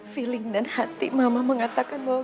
feeling dan hati mama mengatakan bahwa